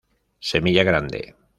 Semilla grande.